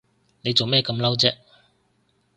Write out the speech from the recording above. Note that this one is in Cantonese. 你做咩咁嬲啫？